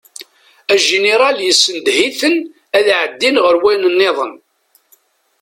Ajiniral yessendeh-iten ad ɛeddin ɣer wayen-nniḍen.